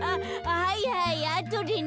はいはいあとでね。